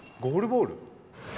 ゴールボール？